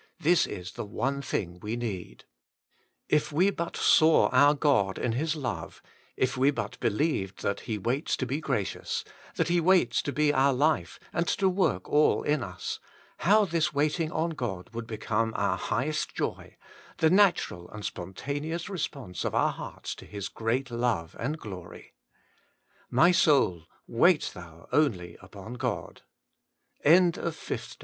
this is the one thing we need. If we but saw our God in His love, if we but believed that He waits to be gracious, that He waits to be our life and to work all in us, — how this waiting on God would become our highest joy, the natural and spontaneous response of our hearts to His great lo